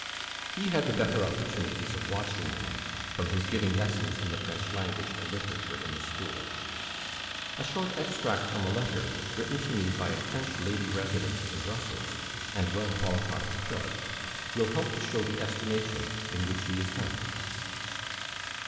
He had the better opportunities of watching them, from his giving lessons in the French language and literature in the school. A short extract from a letter, written to me by a French lady resident in Brussels, and well qualified to judge, will help to show the estimation in which he is held.